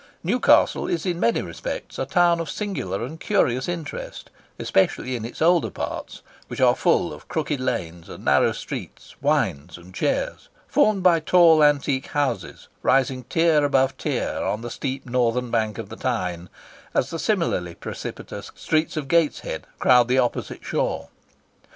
Newcastle is in many respects a town of singular and curious interest, especially in its older parts, which are full of crooked lanes and narrow streets, wynds, and chares, formed by tall, antique houses, rising tier above tier along the steep northern bank of the Tyne, as the similarly precipitous streets of Gateshead crowd the opposite shore.